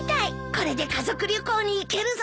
これで家族旅行に行けるぞ！